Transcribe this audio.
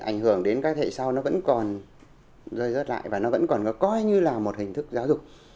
ảnh hưởng đến các thế hệ sau nó vẫn còn rơi rớt lại và nó vẫn còn coi như là một hình thức giáo dục